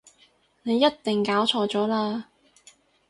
你一定搞錯咗喇